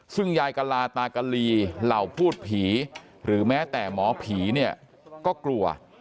ซึ่งยายกะลาตากะลีเหล่าพูดผีหรือแม้แต่หมอผีเนี่ยก็กลัว